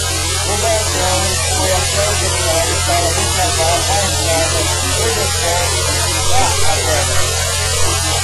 O garçom foi até o teclado para destravar a entrada do depósito da adega.